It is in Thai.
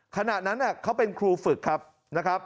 ขณะนั้นเขาเป็นครูฝึกครับนะครับ